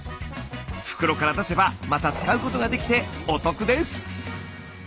袋から出せばまた使うことができてお得です。